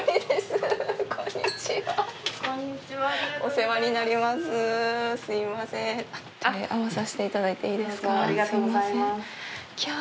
手を合わさせていただいていいですか。